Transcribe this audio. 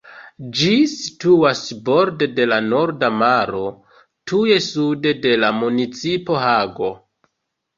Ĝi situas borde de la Norda Maro, tuj sude de la municipo Hago.